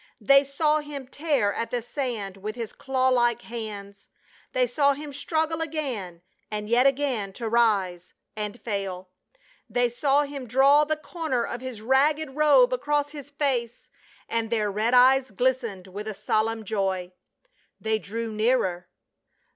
They saw him tear at the sand v.'ith his claw like hands. They saw him struggle again and yet again to rise — and fail. They saw him draw the corner of his ragged robe across his face, and their red eyes glistened with a solemn joy. They drew nearer.